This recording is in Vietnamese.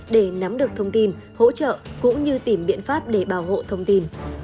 để nắm được thông tin hỗ trợ cũng như tìm biện pháp để bảo hộ thông tin